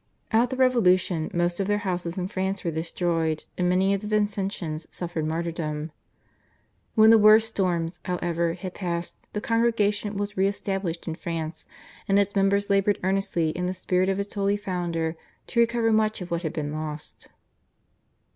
At the Revolution most of their houses in France were destroyed, and many of the Vincentians suffered martyrdom. When the worst storms, however, had passed the congregation was re established in France, and its members laboured earnestly in the spirit of its holy founder to recover much of what had been lost.